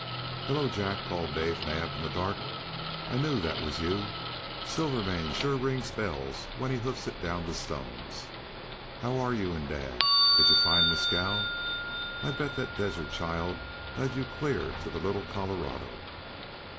"Hello, Jack," called Dave Naab, into the dark. "I knew that was you. Silvermane sure rings bells when he hoofs it down the stones. How're you and dad? and did you find Mescal? I'll bet that desert child led you clear to the Little Colorado."